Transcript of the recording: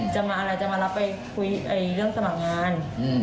จะมาอะไรจะมารับไปคุยเรื่องสมัครงาน